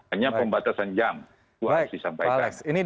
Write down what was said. hanya pembatasan jam itu harus disampaikan